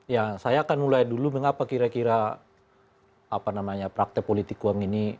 ya saya akan mulai dulu mengapa kira kira praktek politik uang ini